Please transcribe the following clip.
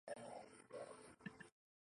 云南金茅为禾本科金茅属下的一个种。